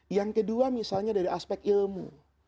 yang kedua misalnya dari aspek ilmu